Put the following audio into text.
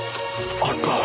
あった。